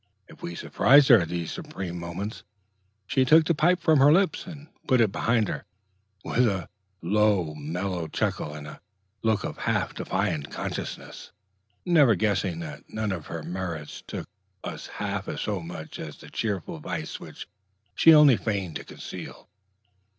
If we surprised her at these supreme moments, she took the pipe from her lips, and put it behind her, with a low, mellow chuckle, and a look of half defiant consciousness; never guessing that none of her merits took us half so much as the cheerful vice which she only feigned to conceal.